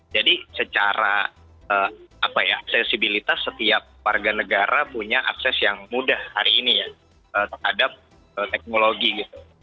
jadi secara apa ya aksesibilitas setiap warga negara punya akses yang mudah hari ini ya terhadap teknologi gitu